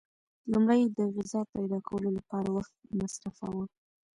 لومړی یې د غذا پیدا کولو لپاره وخت مصرفاوه.